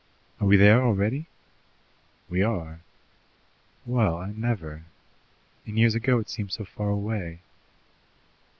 "Are we there already?" "We are." "Well, I never! In years ago it seemed so far away."